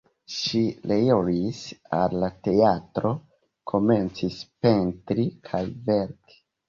Ŝi reiris al la teatro, komencis pentri kaj verki.